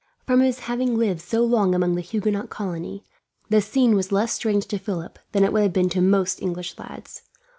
From his having lived so long among the Huguenot colony, the scene was less strange to Philip than it would have been to most English lads.